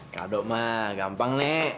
kado mah gampang nek